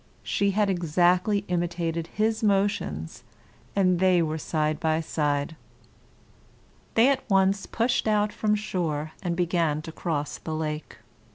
She had exactly imitated his motions, and they were side by side. They at once pushed out from shore and began to cross the lake.